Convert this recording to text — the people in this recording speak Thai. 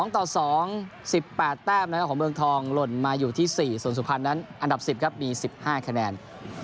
๒ต่อ๒๑๘แต้มนะครับของเมืองทองหล่นมาอยู่ที่๔ส่วนสุพรรณนั้นอันดับ๑๐ครับมี๑๕คะแนน